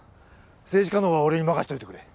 政治家のほうは俺に任しといてくれ。